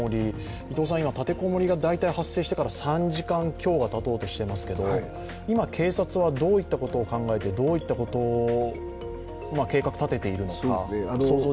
立て籠もりが発生してから３時間強がたとうとしていますが、今、警察はどういったことを考えてどういったことを計画立てているんですか。